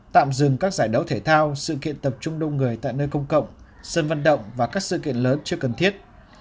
tạm dừng các giải đấu thể thao sự kiện tập trung đông người tại nơi công cộng sân vận động và các sự kiện lớn chưa cần thiết